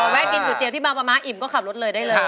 แวะกินก๋วเตี๋ยที่บางประม้าอิ่มก็ขับรถเลยได้เลย